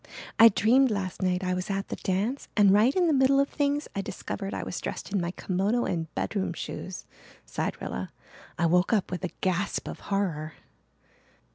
"I dreamed last night I was at the dance and right in the middle of things I discovered I was dressed in my kimono and bedroom shoes," sighed Rilla. "I woke up with a gasp of horror."